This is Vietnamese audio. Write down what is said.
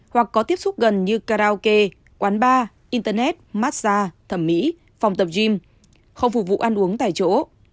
hoặc có tiếp xúc gần như karaoke quán bar internet massage thẩm mỹ phòng tập gym không phục vụ ăn uống tại chỗ